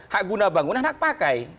hak guna bangunan anak pakai